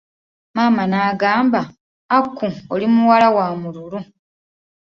Maama n'agamba, Aku oli muwala w'amululu.